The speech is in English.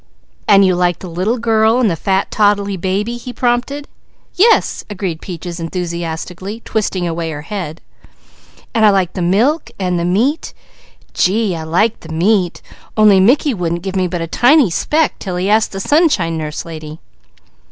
"And you like the little girl and the fat toddly baby " he prompted. "Yes," agreed Peaches enthusiastically, twisting away her head, "and I like the milk and the meat gee, I like the meat, only Mickey wouldn't give me but a tiny speck 'til he asked the Sunshine Nurse Lady."